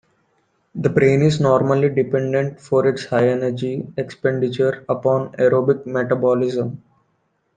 The brain is normally dependent for its high energy expenditure upon aerobic metabolism.